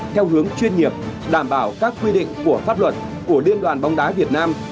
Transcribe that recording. theo hướng chuyên nghiệp đảm bảo các quy định của pháp luật của liên đoàn bóng đá việt nam